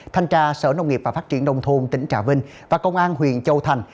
thanh tra sở nông nghiệp và phát triển đông thôn tỉnh trà vinh và công an huyện châu thành